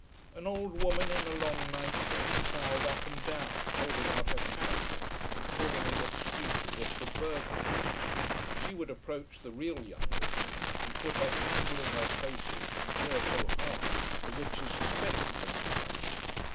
An old woman in a long nightdress prowled up and down, holding out her candle and peering in the street as if for burglars. She would approach the real young women and put her candle in their faces and peer so hard, as if she suspected them of something.